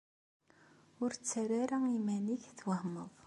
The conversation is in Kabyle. Ur ttarra ara iman-nnek twehmed.